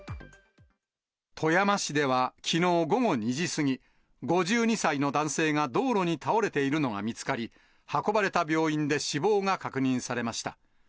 富山市ではきのう午後２時過ぎ、５２歳の男性が道路に倒れているのが見つかり、運ばれた病院で死亡が確認されました。